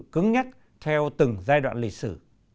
cứng nhắc theo từng giai đoạn lịch sử